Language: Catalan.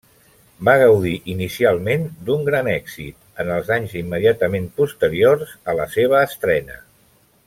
Va gaudir inicialment d'un gran èxit, en els anys immediatament posteriors a la seva estrena.